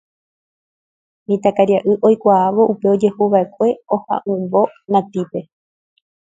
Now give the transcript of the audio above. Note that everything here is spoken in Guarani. Mitãkaria'y oikuaávo upe ojehuva'ekue oha'uvõ Natípe